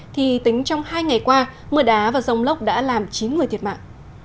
thì tính trong hai ngày qua mưa đá và rông lốc đã làm chín người thiệt mạng